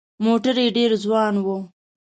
موټر یې ډېر ځوان و.